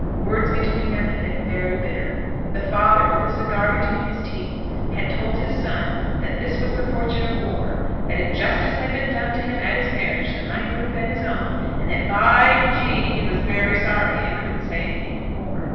Words between them had been very bitter. The father, with a cigar between his teeth, had told his son that this was the fortune of war, that if justice had been done him at his marriage, the money would have been his own, and that by G he was very sorry, and couldn't say anything more.